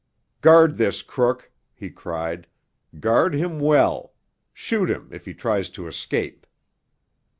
"Guard this crook!" he cried. "Guard him well. Shoot him if he tries to escape!"